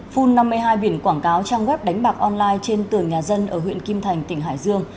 phun năm mươi hai biển quảng cáo trang web đánh bạc online trên tường nhà dân ở huyện kim thành tỉnh hải dương